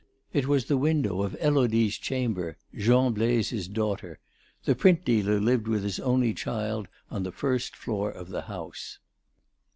It was the window of Élodie's chamber, Jean Blaise's daughter. The print dealer lived with his only child on the first floor of the house.